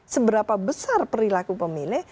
seberapa besar perilaku pemilih